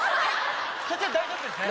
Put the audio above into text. そちら大丈夫ですね。